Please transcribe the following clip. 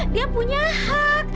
dia punya hak